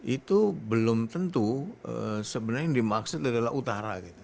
itu belum tentu sebenarnya dimaksud adalah utara